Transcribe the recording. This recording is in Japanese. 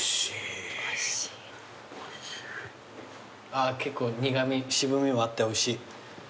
あぁ結構苦味渋味もあっておいしい。